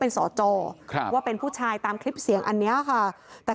เป็นการกล่าวอ้างนะครับ